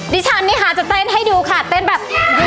ดิฉันนี่ค่ะจะเต้นให้ดูค่ะเต้นแบบ